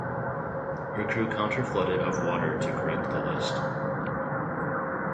Her crew counter-flooded of water to correct the list.